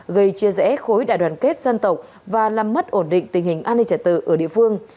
gây chia rẽ khối đại đoàn kết dân tộc và làm mất ổn định tình hình an ninh trả tự ở địa phương